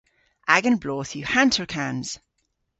Agan bloodh yw hanterkans.